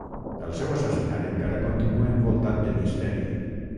El seu assassinat encara continua envoltat de misteri.